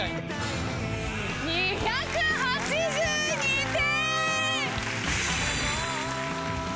２８２点。